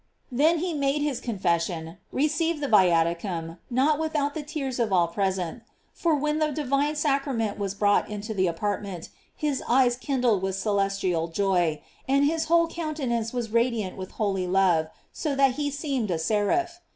Then he made his confession, re ceived the viaticum, not without the tears of all present, for when the divine sacrament was brought into the apartment, his eyes kindled with celestial joy, and his whole countenance was radiant with holy love, so that he seemed a seraph.